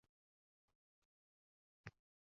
Barcha fanlardan besh baho olardim